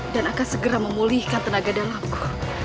dan akan segera memulihkan tenaga dalamku